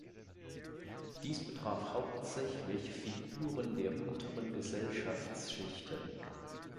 Dies betraf hauptsächlich Figuren der unteren Gesellschaftsschichten.